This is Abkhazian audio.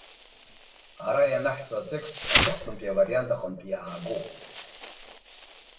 Ара ианаҳҵо атекст аҵыхәтәантәи авариант аҟнытә иаагоуп.